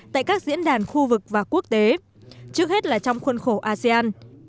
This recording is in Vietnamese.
tại các diễn đàn khu vực và quốc tế trước hết là trong khuôn khổ asean